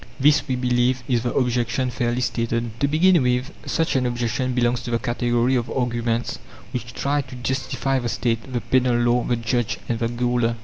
This, we believe, is the objection fairly stated. To begin with, such an objection belongs to the category of arguments which try to justify the State, the Penal Law, the Judge, and the Gaoler.